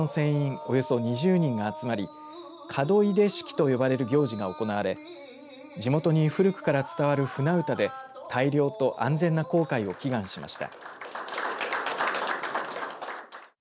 およそ２０人が集まり門出式と呼ばれる行事が行われ地元に古くから伝わる舟歌で大漁と安全な航海を祈願しました。